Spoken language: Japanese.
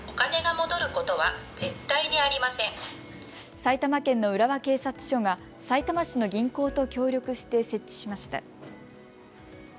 埼玉県の浦和警察署がさいたま市の銀行と協力して設置しました。